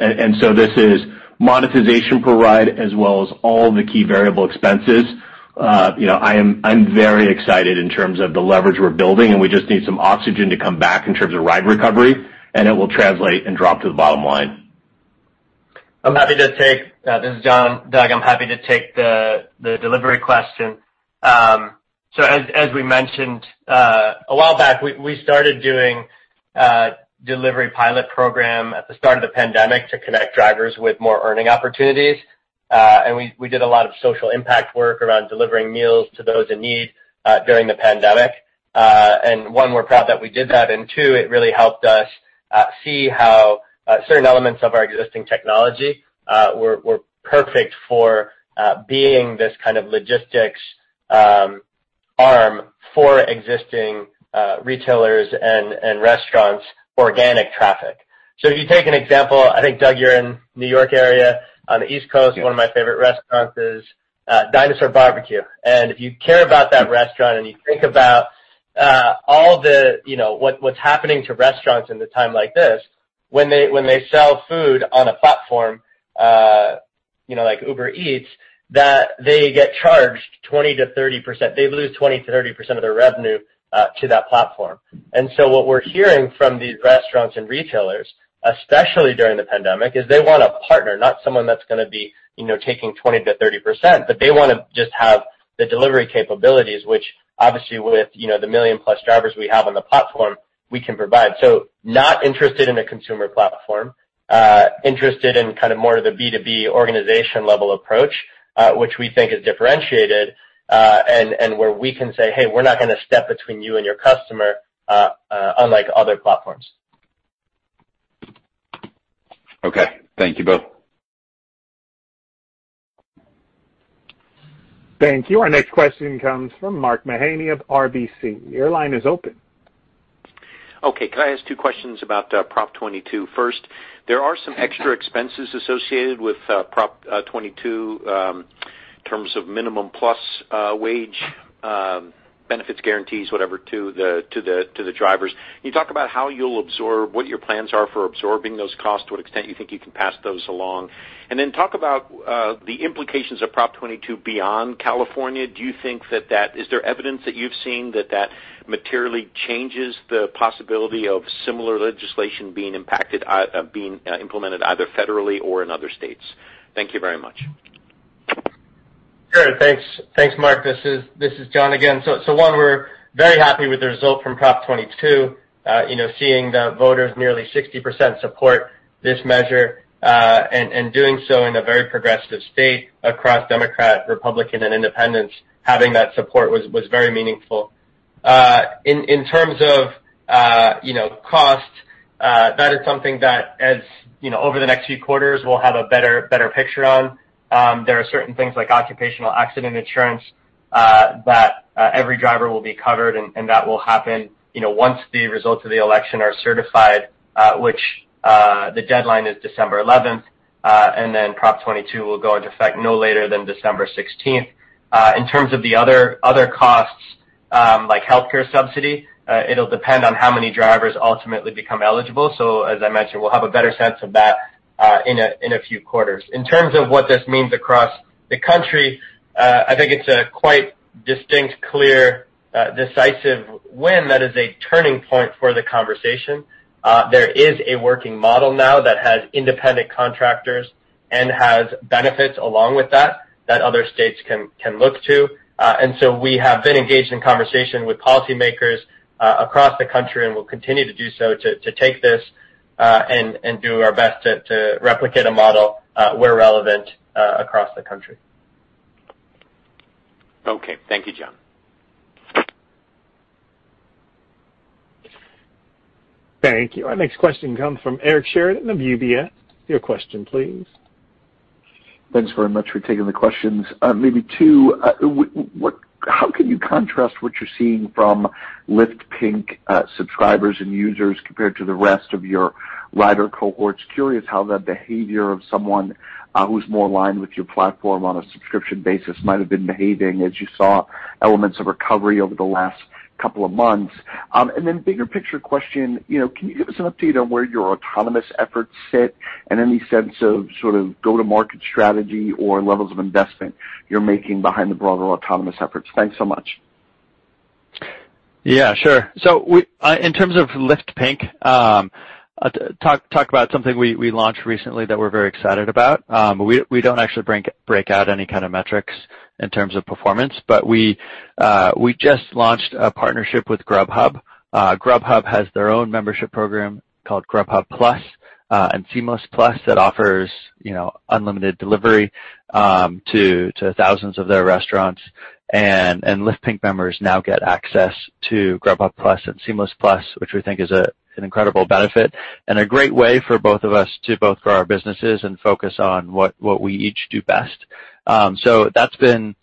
This is monetization per ride as well as all the key variable expenses. I'm very excited in terms of the leverage we're building, and we just need some oxygen to come back in terms of ride recovery, and it will translate and drop to the bottom line. This is John. Doug, I'm happy to take the delivery question. As we mentioned, a while back, we started doing delivery pilot program at the start of the pandemic to connect drivers with more earning opportunities. We did a lot of social impact work around delivering meals to those in need during the pandemic. One, we're proud that we did that, and two, it really helped us see how certain elements of our existing technology were perfect for being this kind of logistics arm for existing retailers and restaurants' organic traffic. If you take an example, I think, Doug, you're in New York area on the East Coast. Yeah. One of my favorite restaurants is Dinosaur Bar-B-Que. If you care about that restaurant, and you think about what's happening to restaurants in a time like this, when they sell food on a platform like Uber Eats, they get charged 20%-30%. They lose 20%-30% of their revenue to that platform. What we're hearing from these restaurants and retailers, especially during the pandemic, is they want a partner, not someone that's going to be taking 20%-30%, but they want to just have the delivery capabilities, which obviously with the million-plus drivers we have on the platform, we can provide. Not interested in a consumer platform, interested in more of the B2B organization-level approach, which we think is differentiated, and where we can say, "Hey, we're not going to step between you and your customer," unlike other platforms. Okay. Thank you, both. Thank you. Our next question comes from Mark Mahaney of RBC. Your line is open. Okay. Can I ask two questions about Prop. 22? First, there are some extra expenses associated with Prop. 22 in terms of minimum plus wage benefits guarantees, whatever, to the drivers. Can you talk about how you'll absorb, what your plans are for absorbing those costs, to what extent you think you can pass those along? Talk about the implications of Prop. 22 beyond California. Is there evidence that you've seen that that materially changes the possibility of similar legislation being implemented either federally or in other states? Thank you very much. Sure. Thanks, Mark. This is John again. One, we're very happy with the result from Prop. 22. Seeing the voters, nearly 60% support this measure, and doing so in a very progressive state across Democrat, Republican, and Independents, having that support was very meaningful. In terms of cost, that is something that as over the next few quarters, we'll have a better picture on. There are certain things like occupational accident insurance that every driver will be covered, and that will happen once the results of the election are certified, which the deadline is December 11th. Prop. 22 will go into effect no later than December 16th. In terms of the other costs, like healthcare subsidy, it'll depend on how many drivers ultimately become eligible. As I mentioned, we'll have a better sense of that in a few quarters. In terms of what this means across the country, I think it's a quite distinct, clear, decisive win that is a turning point for the conversation. There is a working model now that has independent contractors and has benefits along with that other states can look to. We have been engaged in conversation with policymakers across the country, and will continue to do so to take this, and do our best to replicate a model where relevant across the country. Okay. Thank you, John. Thank you. Our next question comes from Eric Sheridan of UBS. Your question, please. Thanks very much for taking the questions. Maybe two. How can you contrast what you're seeing from Lyft Pink subscribers and users compared to the rest of your rider cohorts? Curious how the behavior of someone who's more aligned with your platform on a subscription basis might have been behaving as you saw elements of recovery over the last couple of months. Bigger picture question, can you give us an update on where your autonomous efforts sit and any sense of go-to-market strategy or levels of investment you're making behind the broader autonomous efforts? Thanks so much. Yeah, sure. In terms of Lyft Pink, talk about something we launched recently that we're very excited about. We don't actually break out any kind of metrics in terms of performance, but we just launched a partnership with Grubhub. Grubhub has their own membership program called Grubhub+, and Seamless+ that offers unlimited delivery to thousands of their restaurants. Lyft Pink members now get access to Grubhub+ and Seamless+, which we think is an incredible benefit and a great way for both of us to both grow our businesses and focus on what we each do best. That's been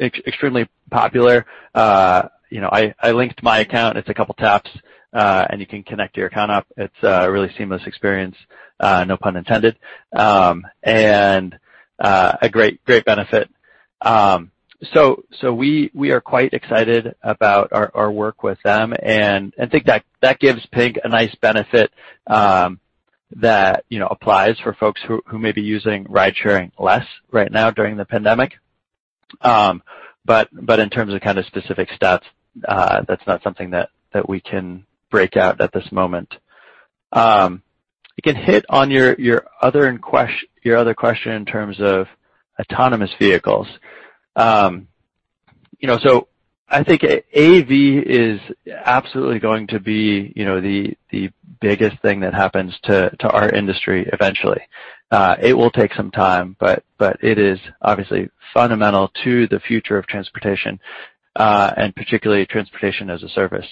extremely popular. I linked my account. It's a couple taps, and you can connect your account up. It's a really seamless experience, no pun intended, and a great benefit. We are quite excited about our work with them, and think that gives Pink a nice benefit that applies for folks who may be using ridesharing less right now during the pandemic. In terms of specific stats, that's not something that we can break out at this moment. I can hit on your other question in terms of autonomous vehicles. I think AV is absolutely going to be the biggest thing that happens to our industry eventually. It will take some time, but it is obviously fundamental to the future of transportation, and particularly transportation as a service.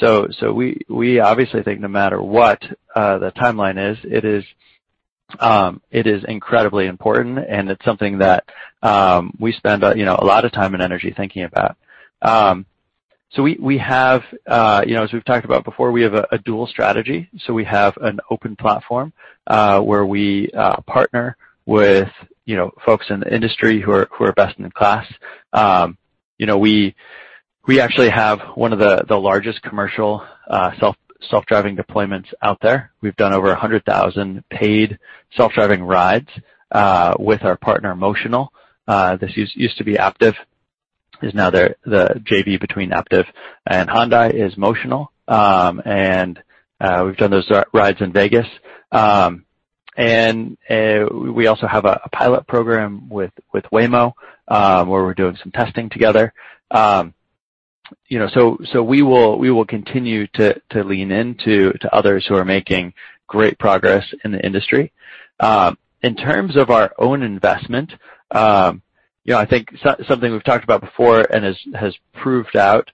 We obviously think no matter what the timeline is, it is incredibly important, and it's something that we spend a lot of time and energy thinking about. As we've talked about before, we have a dual strategy. We have an open platform, where we partner with folks in the industry who are best in class. We actually have one of the largest commercial self-driving deployments out there. We've done over 100,000 paid self-driving rides with our partner, Motional. This used to be Aptiv. Is now the JV between Aptiv and Hyundai is Motional. We've done those rides in Vegas. We also have a pilot program with Waymo, where we're doing some testing together. We will continue to lean into others who are making great progress in the industry. In terms of our own investment, I think something we've talked about before and has proved out,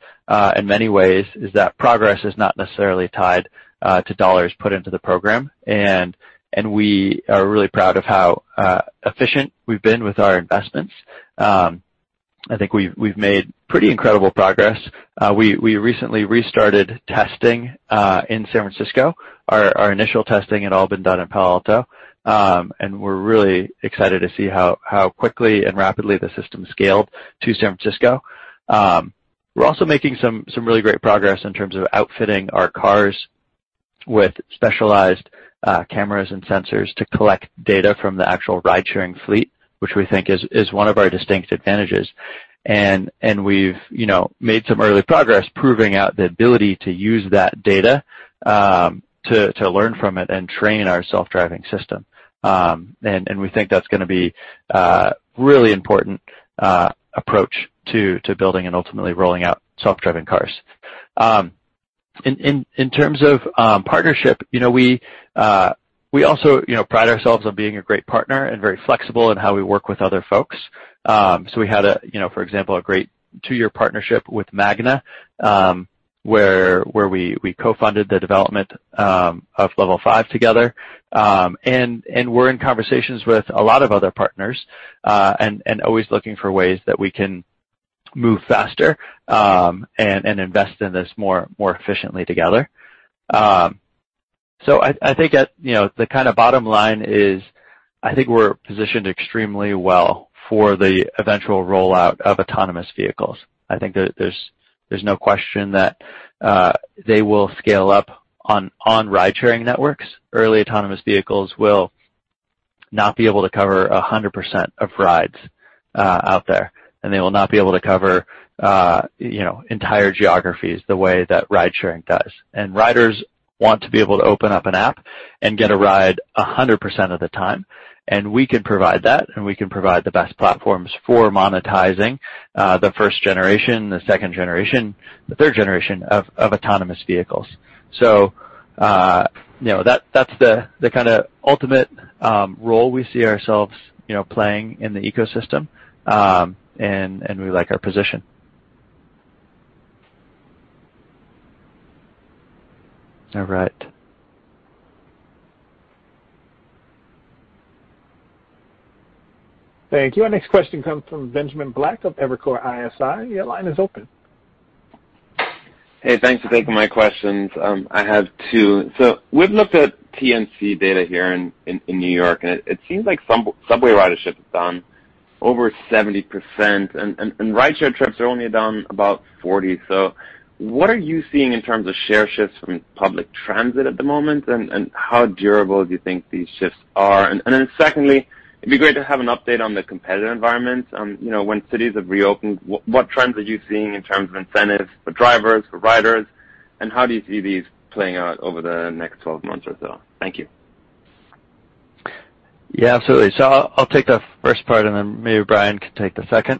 in many ways, is that progress is not necessarily tied to dollars put into the program. We are really proud of how efficient we've been with our investments. I think we've made pretty incredible progress. We recently restarted testing in San Francisco. Our initial testing had all been done in Palo Alto. We're really excited to see how quickly and rapidly the system scaled to San Francisco. We're also making some really great progress in terms of outfitting our cars with specialized cameras and sensors to collect data from the actual ridesharing fleet, which we think is one of our distinct advantages. We've made some early progress proving out the ability to use that data to learn from it and train our self-driving system. We think that's going to be a really important approach to building and ultimately rolling out self-driving cars. In terms of partnership, we also pride ourselves on being a great partner and very flexible in how we work with other folks. We had, for example, a great two-year partnership with Magna, where we co-funded the development of Level five together. We're in conversations with a lot of other partners, and always looking for ways that we can move faster, and invest in this more efficiently together. I think the bottom line is, I think we're positioned extremely well for the eventual rollout of autonomous vehicles. I think there's no question that they will scale up on ridesharing networks. Early autonomous vehicles will not be able to cover 100% of rides out there, and they will not be able to cover entire geographies the way that ridesharing does. Riders want to be able to open up an app and get a ride 100% of the time, and we can provide that, and we can provide the best platforms for monetizing the first generation, the second generation, the third generation of autonomous vehicles. That's the kind of ultimate role we see ourselves playing in the ecosystem, and we like our position. All right. Thank you. Our next question comes from Benjamin Black of Evercore ISI. Your line is open. Hey, thanks for taking my questions. I have two. We've looked at TNC data here in N.Y., and it seems like subway ridership is down over 70%, and rideshare trips are only down about 40%. What are you seeing in terms of share shifts from public transit at the moment, and how durable do you think these shifts are? Secondly, it'd be great to have an update on the competitive environment. When cities have reopened, what trends are you seeing in terms of incentives for drivers, for riders, and how do you see these playing out over the next 12 months or so? Thank you. Yeah, absolutely. I'll take the first part and then maybe Brian can take the second.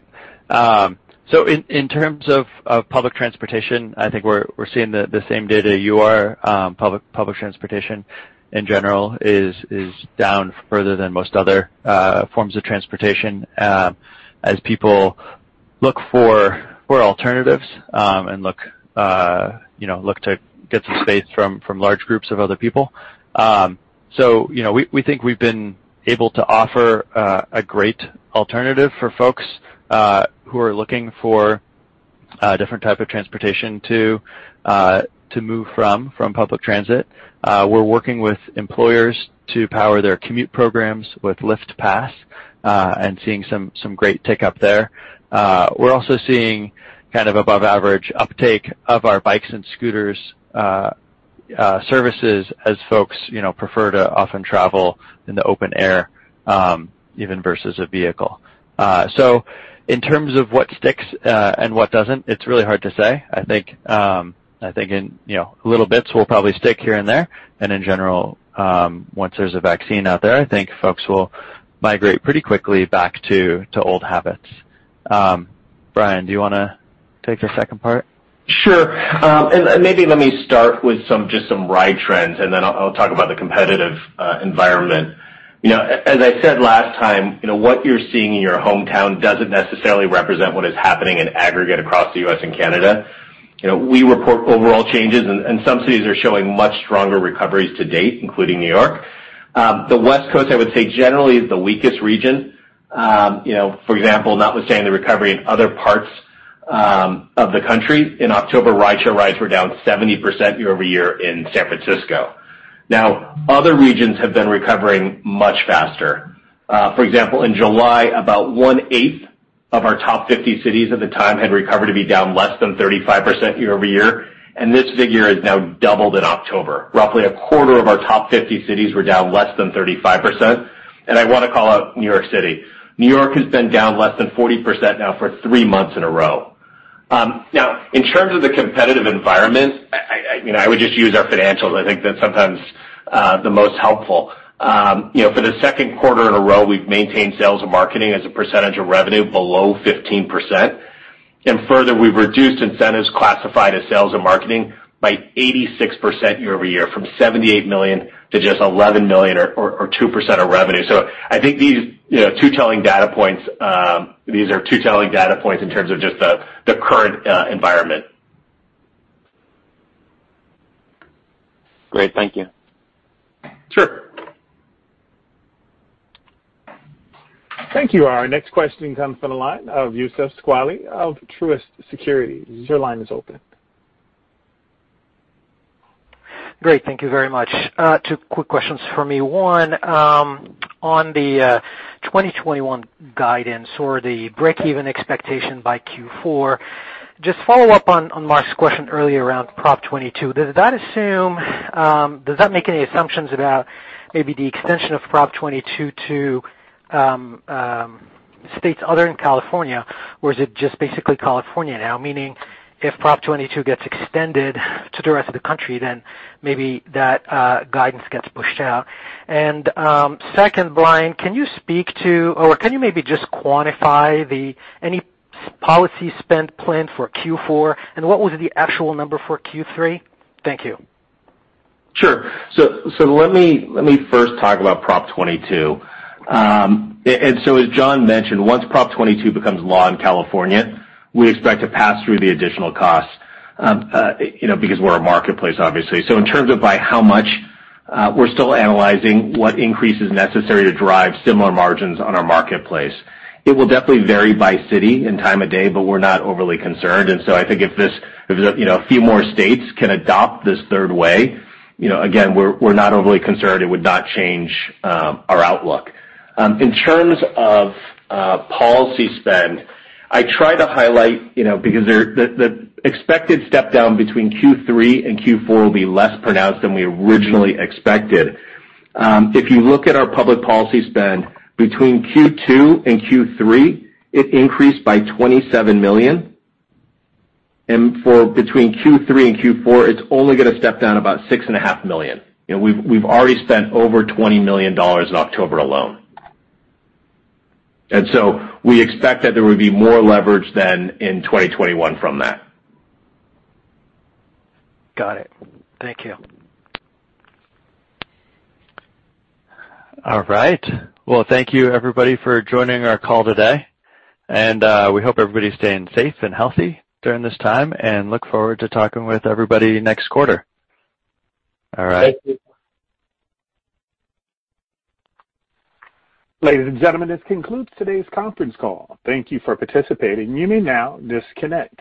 In terms of public transportation, I think we're seeing the same data you are. Public transportation, in general, is down further than most other forms of transportation, as people look for alternatives, and look to get some space from large groups of other people. We think we've been able to offer a great alternative for folks who are looking for a different type of transportation to move from public transit. We're working with employers to power their commute programs with Lyft Pass, and seeing some great take-up there. We're also seeing above average uptake of our bikes and scooters services as folks prefer to often travel in the open air, even versus a vehicle. In terms of what sticks and what doesn't, it's really hard to say. I think little bits will probably stick here and there. In general, once there's a vaccine out there, I think folks will migrate pretty quickly back to old habits. Brian, do you want to take the second part? Sure. Maybe let me start with just some ride trends, then I'll talk about the competitive environment. As I said last time, what you're seeing in your hometown doesn't necessarily represent what is happening in aggregate across the U.S. and Canada. We report overall changes, and some cities are showing much stronger recoveries to date, including New York. The West Coast, I would say, generally is the weakest region. For example, notwithstanding the recovery in other parts of the country, in October, rideshare rides were down 70% year-over-year in San Francisco. Now, other regions have been recovering much faster. For example, in July, about 1/8 of our top 50 cities at the time had recovered to be down less than 35% year-over-year, and this figure has now doubled in October. Roughly a quarter of our top 50 cities were down less than 35%. I want to call out New York City. New York has been down less than 40% now for three months in a row. In terms of the competitive environment, I would just use our financials. I think that's sometimes the most helpful. For the second quarter in a row, we've maintained sales and marketing as a percentage of revenue below 15%. Further, we've reduced incentives classified as sales and marketing by 86% year-over-year, from $78 million to just $11 million or 2% of revenue. I think these are two telling data points in terms of just the current environment. Great. Thank you. Sure. Thank you. Our next question comes from the line of Youssef Squali of Truist Securities. Your line is open. Great. Thank you very much. Two quick questions from me. One, on the 2021 guidance or the breakeven expectation by Q4, just follow up on Mark's question earlier around Prop. 22. Does that make any assumptions about maybe the extension of Prop. 22 to states other than California? Is it just basically California now? Meaning, if Prop. 22 gets extended to the rest of the country, maybe that guidance gets pushed out. Second, Brian, can you maybe just quantify any policy spend planned for Q4? What was the actual number for Q3? Thank you. Sure. Let me first talk about Prop. 22. As John mentioned, once Prop. 22 becomes law in California, we expect to pass through the additional costs because we're a marketplace, obviously. In terms of by how much, we're still analyzing what increase is necessary to drive similar margins on our marketplace. It will definitely vary by city and time of day, but we're not overly concerned. I think if a few more states can adopt this third way, again, we're not overly concerned. It would not change our outlook. In terms of policy spend, I try to highlight because the expected step down between Q3 and Q4 will be less pronounced than we originally expected. If you look at our public policy spend between Q2 and Q3, it increased by $27 million. For between Q3 and Q4, it's only going to step down about $6.5 million. We've already spent over $20 million in October alone. We expect that there would be more leverage than in 2021 from that. Got it. Thank you. All right. Well, thank you everybody for joining our call today. We hope everybody's staying safe and healthy during this time and look forward to talking with everybody next quarter. All right. Ladies and gentlemen, this concludes today's conference call. Thank you for participating. You may now disconnect.